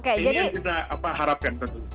ini yang kita harapkan tentu